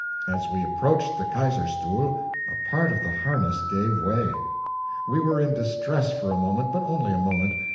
As we approached the Kaiserstuhl, a part of the harness gave way. We were in distress for a moment, but only a moment.